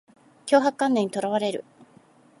強迫観念にとらわれる